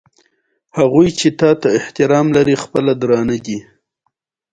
د هغوی ټول اعمال په یو ډول په دین پورې تړل کېږي.